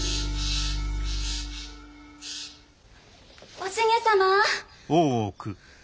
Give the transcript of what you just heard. おしげ様。